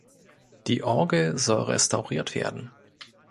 Die Orgel soll restauriert werden.